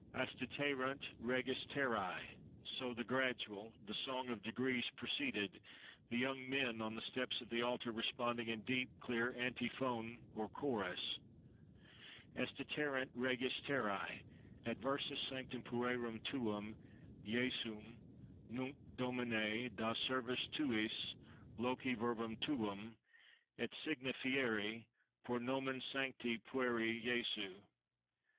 Astiterunt reges terrae: so the Gradual, the "Song of Degrees," proceeded, the young men on the steps of the altar responding in deep, clear, antiphon or chorus— Astiterunt reges terrae— Adversus sanctum puerum tuum, Jesum: Nunc, Domine, da servis tuis loqui verbum tuum— Et signa fieri, per nomen sancti pueri Jesu.